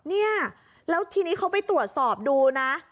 เนี่ยแล้วทีนี้เขาไปตรวจสอบดูนะ